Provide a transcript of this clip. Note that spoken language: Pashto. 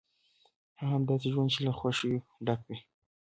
هغه هم داسې ژوند چې له خوښیو ډک وي.